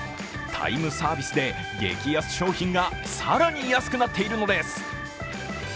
タイムサービスで激安商品が更に安くなっているのです。